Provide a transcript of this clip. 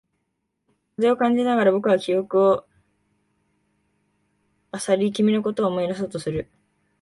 風を感じながら、僕は記憶を漁り、君のことを思い出そうとする。